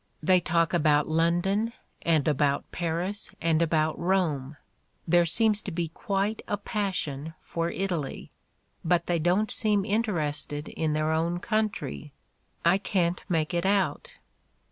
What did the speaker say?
"They talk about London, and about Paris, and about Rome ; there seems to be quite a passion for Italy; but they don't seem interested in their own country. I can't make it out."